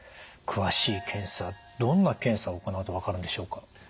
詳しい検査どんな検査を行うと分かるんでしょうか？